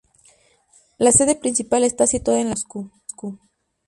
La sede principal está situada en la ciudad de Moscú.